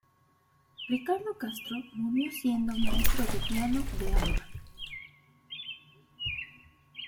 Ricardo Castro murió siendo maestro de piano de Alba.